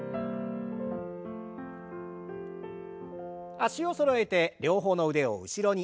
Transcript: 脚をそろえて両方の腕を後ろに。